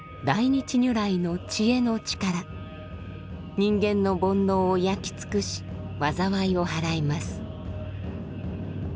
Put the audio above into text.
人間の煩悩を焼き尽くし災いを祓います。